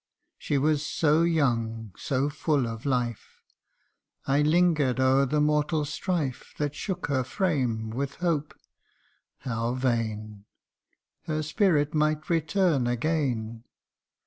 She was so young, so full of life, I linger'd o'er the mortal strife That shook her frame, with hope how vain ! Her spirit might return again.